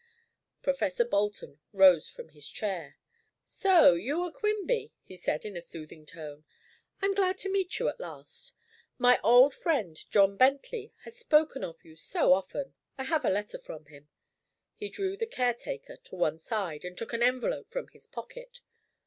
Professor Bolton rose from his chair. "So you are Quimby," he said in a soothing tone. "I'm glad to meet you at last. My old friend John Bentley has spoken of you so often. I have a letter from him." He drew the caretaker to one side, and took an envelope from his pocket.